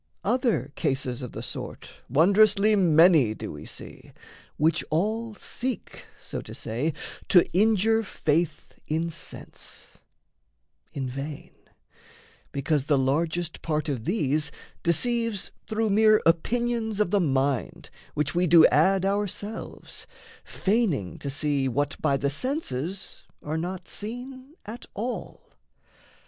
Other cases of the sort Wondrously many do we see, which all Seek, so to say, to injure faith in sense In vain, because the largest part of these Deceives through mere opinions of the mind, Which we do add ourselves, feigning to see What by the senses are not seen at all.